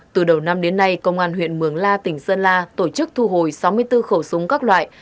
từ đầu năm đến nay công an huyện mường la tỉnh sơn la tổ chức thu hồi sáu mươi bốn khẩu súng các loại